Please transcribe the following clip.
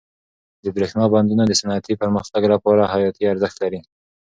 د برښنا بندونه د صنعتي پرمختګ لپاره حیاتي ارزښت لري.